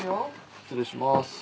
失礼します。